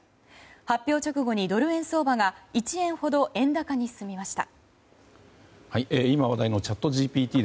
発表直後にドル円相場が１円ほど円高に進みました。